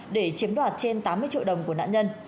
để chiếm đoạt trên tám mươi triệu đồng của nạn nhân